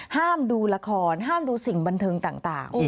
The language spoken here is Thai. ดูละครห้ามดูสิ่งบันเทิงต่าง